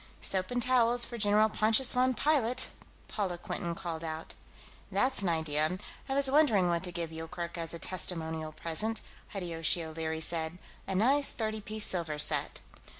"Soap and towels, for General Pontius von Pilate!" Paula Quinton called out. "That's an idea; I was wondering what to give Yoorkerk as a testimonial present," Hideyoshi O'Leary said. "A nice thirty piece silver set!"